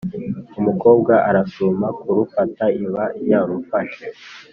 umukobwa arasuma kurufata, iba yarufashe.